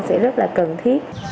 sẽ rất là cần thiết